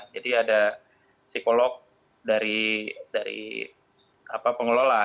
jadi ada psikolog dari pengelola